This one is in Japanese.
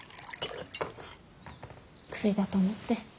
薬だと思って。